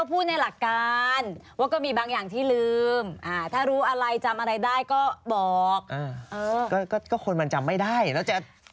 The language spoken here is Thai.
มีมีจนอย่างเย็นอ่าอะไรอีก